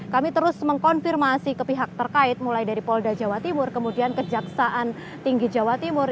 kami terus mengkonfirmasi ke pihak terkait mulai dari polda jawa timur kemudian kejaksaan tinggi jawa timur